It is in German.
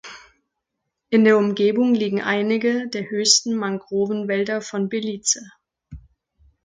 In der Umgebung liegen einige der höchsten Mangrovenwälder von Belize.